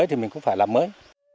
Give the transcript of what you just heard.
mới thì mình cũng phải làm mới